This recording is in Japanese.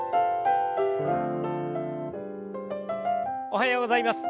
おはようございます。